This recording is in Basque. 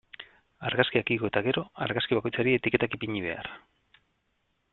Argazkiak igo eta gero, argazki bakoitzari etiketak ipini behar.